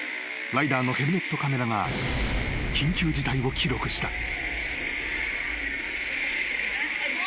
［ライダーのヘルメットカメラが緊急事態を記録した］